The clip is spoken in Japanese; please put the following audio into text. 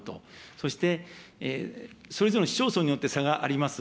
そして、それぞれの市町村によって差があります。